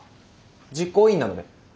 実行委員なので。